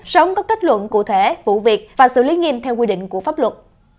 sớm có kết luận cụ thể vụ việc và xử lý nghiêm theo quy định của pháp luật